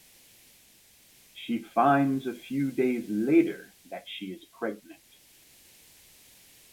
She finds a few days later that she is pregnant.